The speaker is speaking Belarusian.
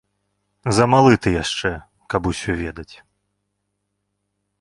Замалы ты яшчэ, каб усё ведаць.